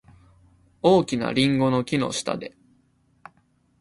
大きなリンゴの木の下で。